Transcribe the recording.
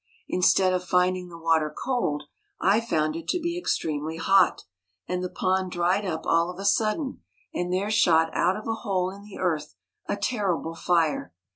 Instead of finding the water cold, I found it to be extremely hot ; and the pond dried up all of a sudden, and there shot out of a hole in the earth a terrible fire.